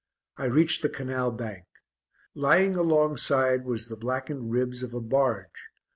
I reached the canal bank. Lying alongside was the blackened ribs of a barge.